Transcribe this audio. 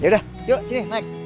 yaudah yuk sini naik